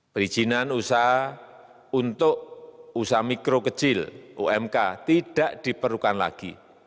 perizinan usaha untuk usaha mikro kecil umk tidak diperlukan lagi